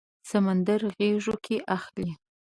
سمندر غیږو کې اخلي